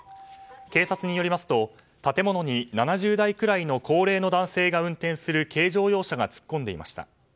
警察によりますと建物に７０代くらいの高齢の男性が運転する軽乗用車が突っ込んでいました。